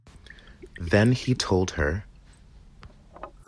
Then he told her.